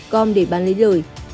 gom để bán lấy lời